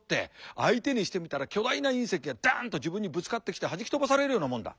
相手にしてみたら巨大な隕石がダンと自分にぶつかってきてはじき飛ばされるようなもんだ。